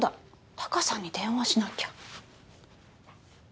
タカさんに電話しなきゃ。